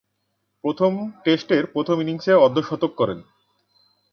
প্রথম টেস্টের প্রথম ইনিংসে অর্ধ-শতক করেন।